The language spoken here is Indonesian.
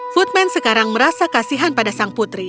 footman sekarang merasa kasihan pada sang putri